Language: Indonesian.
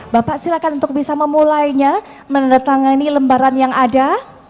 bapak silakan untuk bisa memulainya menandatangani lembaran yang ada